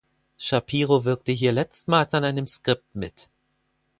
Schapiro wirkte hier letztmals an einem Skript mit.